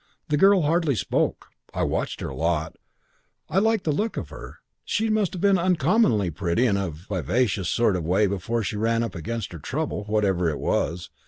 The girl hardly spoke. I watched her a lot. I liked the look of her. She must have been uncommonly pretty in a vivacious sort of way before she ran up against her trouble, whatever it was.